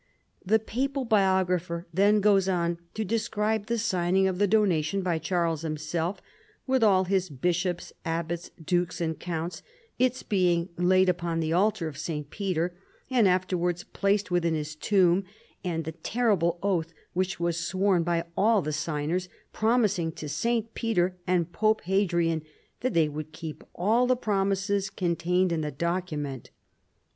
The papal biographer then goes on to describe the signing of this donation by Charles himself with all his bishops, abbots, dukes, and counts, its being laid upon the altar of St. Peter, and afterwards placed within his tomb, and the " terrible oath " which was sworn by all the signers, promising to St. Peter and Pope Hadrian that they would keep all the promises contained in the document.